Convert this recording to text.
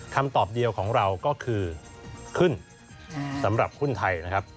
คำตอบเดียวของเราก็คือขึ้นสำหรับหุ้นไทยนะครับ